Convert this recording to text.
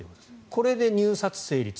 これで入札成立。